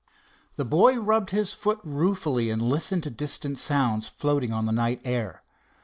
The boy rubbed his foot ruefully and listened to distant sounds floating on the night air.